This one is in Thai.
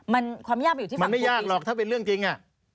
มันความยากมันอยู่ที่ฝั่งครูวิชามันไม่ยากหรอกถ้าเป็นเรื่องจริง